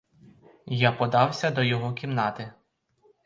Я подався до його кімнати.